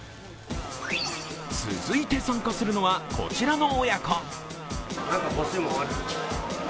続いて参加するのはこちらの親子。